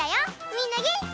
みんなげんき？